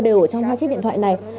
đều ở trong hai chiếc điện thoại này